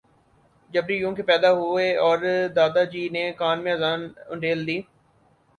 جبری یوں کہ پیدا ہوئے اور دادا جی نے کان میں اذان انڈیل دی